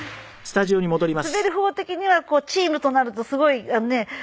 滑る方的にはチームとなるとすごいねえ。